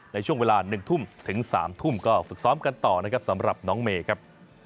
ในช่วงเวลา๑ทุ่มถึง๓ทุ่มก็ฝึกซ้อมกันต่อนะครับสำหรับน้องเมย์ครับ